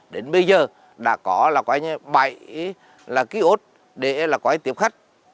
đến bây giờ đã có bảy ký ốt để tiếp khách